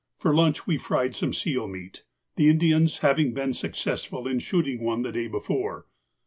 For lunch we fried some seal meat, the Indians having been successful in shooting one the day before.